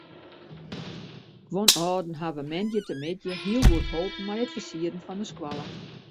Guon âlden hawwe moandeitemiddei hiel goed holpen mei it fersieren fan de skoalle.